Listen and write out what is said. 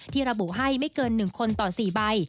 ระบุให้ไม่เกิน๑คนต่อ๔ใบ